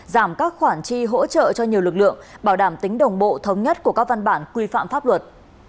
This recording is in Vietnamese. giảm các khoản chi hỗ trợ cho nhiều lực lượng bảo đảm tính đồng bộ thống nhất của các văn bản quy phạm pháp luật